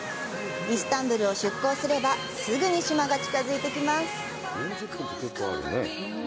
イスタンブルを出港すればすぐに島が近づいてきます。